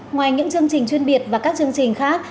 ngoài những chương trình chuyên biệt và các chương trình khác